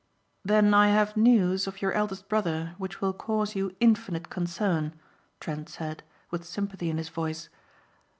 "Then I have news of your eldest brother which will cause you infinite concern," Trent said, with sympathy in his voice.